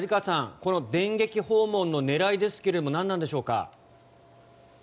この電撃訪問の狙いですが何なんでしょうか？